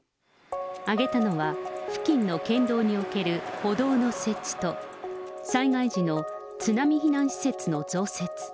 挙げたのは、付近の県道における歩道の設置と、災害時の津波避難施設の増設。